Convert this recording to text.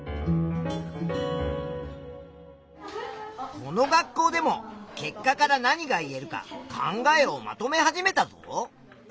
この学校でも結果から何が言えるか考えをまとめ始めたぞ。